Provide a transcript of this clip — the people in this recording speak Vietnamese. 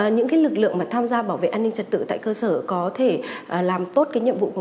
những lực lượng tham gia bảo vệ an ninh trật tự tại cơ sở có thể làm tốt nhiệm vụ